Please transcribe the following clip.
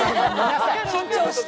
緊張して。